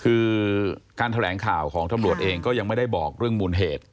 คือการแถลงข่าวของตำรวจเองก็ยังไม่ได้บอกเรื่องมูลเหตุ